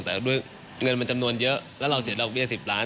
แต่ด้วยเงินมันจำนวนเยอะแล้วเราเสียดอกเบี้ย๑๐ล้าน